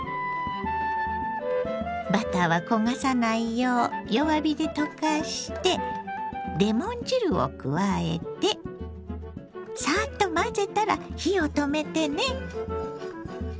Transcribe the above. バターは焦がさないよう弱火で溶かしてレモン汁を加えてさっと混ぜたら火を止めてね。